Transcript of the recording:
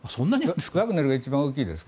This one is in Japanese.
ワグネルは一番大きいですが。